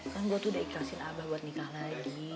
kan gue tuh udah ikhlasin abah buat nikah lagi